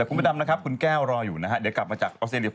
แต่คุณประดับนะครับคุณแก้วรออยู่นะฮะ